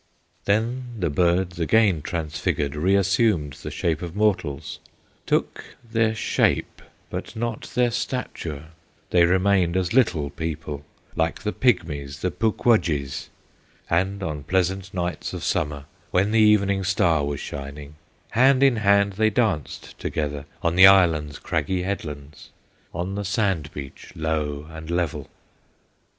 "Then the birds, again transfigured, Reassumed the shape of mortals, Took their shape, but not their stature; They remained as Little People, Like the pygmies, the Puk Wudjies, And on pleasant nights of Summer, When the Evening Star was shining, Hand in hand they danced together On the island's craggy headlands, On the sand beach low and level.